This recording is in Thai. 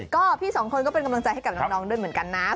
ก็พี่สองคนก็เป็นกำลังใจให้กับน้องด้วยเหมือนกันนะ